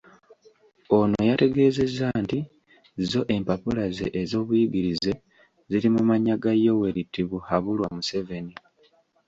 Ono yategeezezza nti zo empapula ze ez'obuyigirize ziri mu mannya ga Yoweri Tibuhaburwa Museveni.